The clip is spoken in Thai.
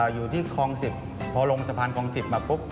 อยู่ที่คองศิษย์พอลงจับพันธุ์คองศิษย์มาปุ๊บ